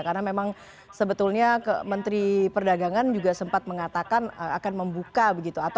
karena memang sebetulnya menteri perdagangan juga sempat mengatakan akan membuka begitu